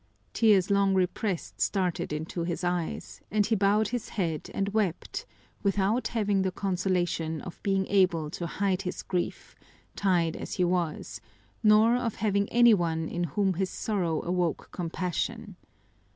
Tears long repressed started into his eyes, and he bowed his head and wept without having the consolation of being able to hide his grief, tied as he was, nor of having any one in whom his sorrow awoke compassion.